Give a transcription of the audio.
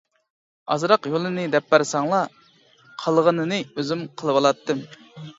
ئازراق يولىنى دەپ بەرسەڭلار، قالغىنى ئۆزۈم قىلىۋالاتتىم.